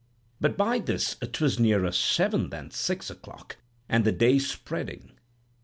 But by this 'twas nearer seven than six o'clock, and the day spreading.